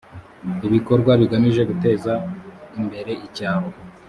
ibikorwa bigamije guteza imbere icyaro